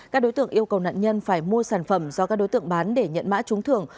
các đối tượng yêu cầu nạn nhân phải mua sản phẩm do các đối tượng bán để nhận mã trúng thưởng